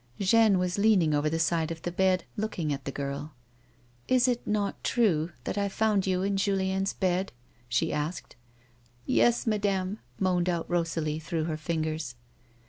Jeanne was leaning over the side of the bed, looking at the girl. "Is it not true that I found you in Julien's bed ?" she asked. " Yes, madame," moaned out Rosalie through her fingers.